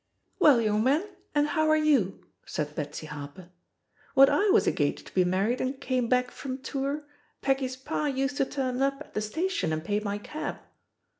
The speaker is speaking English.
"Well, young man, and how are youf^ said Betsy Harper. "When I was engaged to be married and came back from tour, Peggy's pa used to turn up at the station and pay my cab